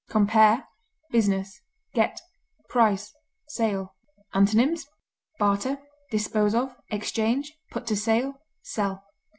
Compare BUSINESS; GET; PRICE; SALE. Antonyms: barter, dispose of, exchange, put to sale, sell.